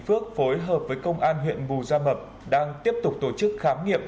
phước phối hợp với công an huyện bù gia mập đang tiếp tục tổ chức khám nghiệm